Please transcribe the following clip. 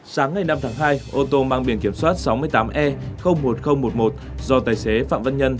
sáng ngày năm tháng hai ô tô mang biển kiểm soát sáu mươi tám e một nghìn một mươi một do tài xế phạm văn nhân